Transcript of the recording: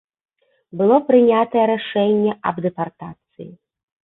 Было прынятае рашэнне аб дэпартацыі.